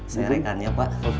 saya rekannya pak